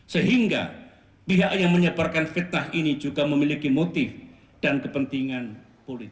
sehingga pihak yang menyebarkan fitnah ini juga memiliki motif dan kepentingan politik